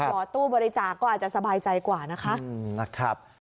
ขอตู้บริจาคก็อาจจะสบายใจกว่านะคะ